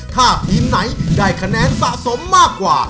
ถ้าทีมไหนได้คะแนนสะสมมากกว่า